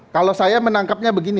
kalau saya menangkapnya begini